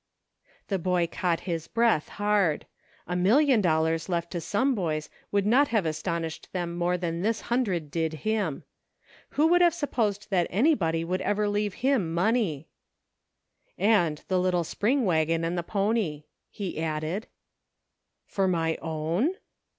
The boy caught his breath hard. A million dol lars left to some boys would not have astonished them more than this hundred did him. Who would have supposed that anybody would ever leave him money }" And the little spring wagon and the pony," he added. " For my own